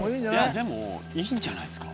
でもいいんじゃないですか。